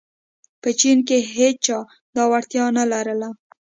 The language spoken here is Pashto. په چین کې هېچا دا وړتیا نه لرله.